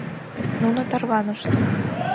Нуно тарванышт.